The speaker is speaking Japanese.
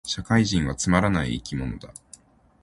社会人はつまらない生き物だ